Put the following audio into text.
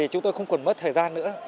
chúng tôi không cần mất thời gian nữa